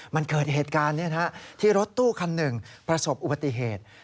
มันเกิดเหตุการณ์ที่รถตู้คันหนึ่งประสบอุบัติเหตุ